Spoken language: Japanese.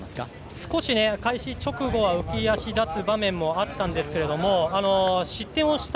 少し開始直後浮き足立つ場面もあったんですが失点をした